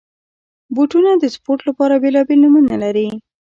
بوټونه د سپورټ لپاره بېلابېل نومونه لري.